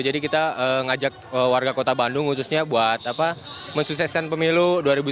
jadi kita ngajak warga kota bandung khususnya buat mensukseskan pemilu